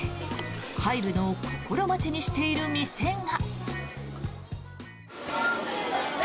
入るのを心待ちにしている店が。